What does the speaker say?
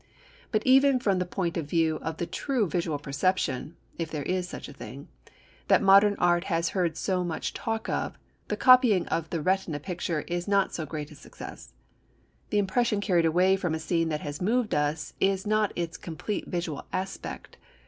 But even from the point of view of the true visual perception (if there is such a thing) that modern art has heard so much talk of, the copying of the retina picture is not so great a success. The impression carried away from a scene that has moved us is not its complete visual aspect.